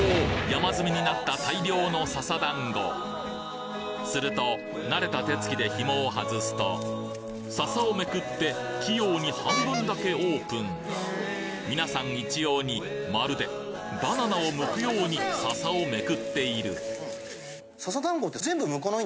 山積みになったすると慣れた手つきで紐をはずすと笹をめくって器用に半分だけオープンみなさんいちようにまるでバナナを剥くように笹をめくっているそうです